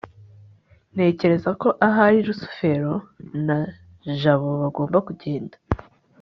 ntekereza ko ahari rusufero na jabo bagomba kugenda